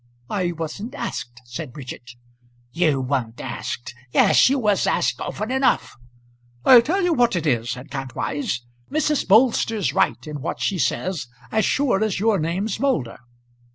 "I wasn't asked," said Bridget. "You weren't asked! Yes, you was asked often enough." "I'll tell you what it is," said Kantwise, "Mrs. Bolster's right in what she says as sure as your name's Moulder."